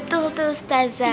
betul tuh ustazah